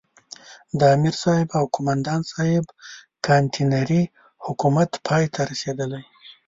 د امرصاحب او قوماندان صاحب کانتينري حکومت پای ته رسېدلی.